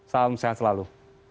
salam sehat selalu